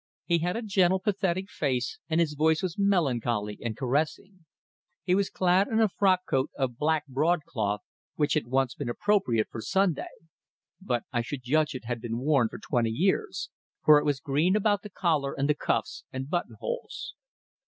He had a gentle, pathetic face, and his voice was melancholy and caressing. He was clad in a frock coat of black broadcloth, which had once been appropriate for Sunday; but I should judge it had been worn for twenty years, for it was green about the collar and the cuffs and button holes.